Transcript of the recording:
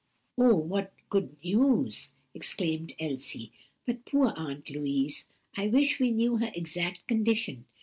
"Oh, what good news!" exclaimed Elsie. "But poor Aunt Louise! I wish we knew her exact condition.